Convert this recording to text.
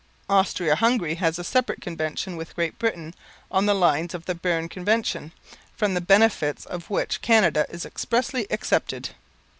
(Austria Hungary has a separate Convention with Great Britain on the lines of the Berne Convention, from the benefits of which Canada is expressly excepted).